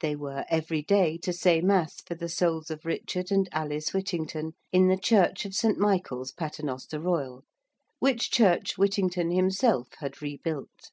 They were every day to say mass for the souls of Richard and Alice Whittington in the church of St. Michael's Paternoster Royal which church Whittington himself had rebuilt.